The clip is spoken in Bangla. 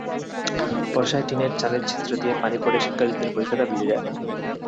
বর্ষায় টিনের চালের ছিদ্র দিয়ে পানি পড়ে শিক্ষার্থীদের বই-খাতা ভিজে যায়।